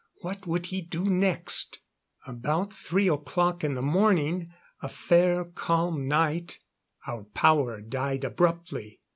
What would he do next? About three o'clock in the morning a fair, calm night our power died abruptly.